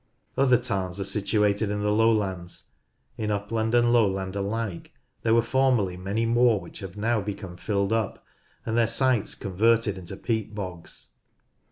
Other tarns are situated in the lowlands. In upland and lowland alike there were formerly many more which have now become filled up, and their sites converted into peat bogs.